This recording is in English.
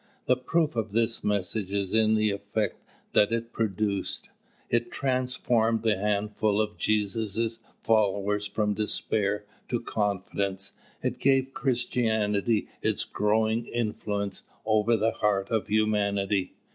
The proof of this message is in the effect that it produced. It transformed the handful of Jesus' followers from despair to confidence. It gave Christianity its growing influence over the heart of humanity.